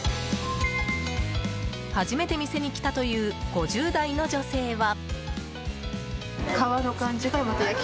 初めて店に来たという５０代の女性は。